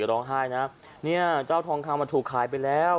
ร้องไห้นะเนี่ยเจ้าทองคำมันถูกขายไปแล้ว